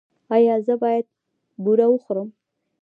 ایا زه باید بوره وخورم؟